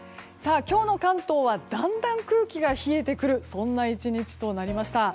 今日の関東はだんだん空気が冷えてくる１日となりました。